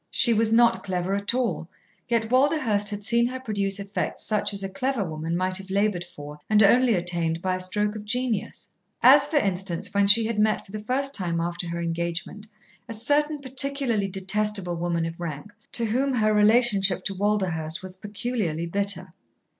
She was not clever at all, yet Walderhurst had seen her produce effects such as a clever woman might have laboured for and only attained by a stroke of genius. As, for instance, when she had met for the first time after her engagement, a certain particularly detestable woman of rank, to whom her relation to Walderhurst was peculiarly bitter.